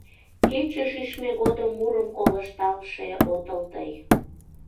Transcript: Кече шичме годым мурым колышталше отыл тый.